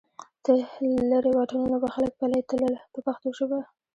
تر لرې واټنونو به خلک پلی تلل په پښتو ژبه.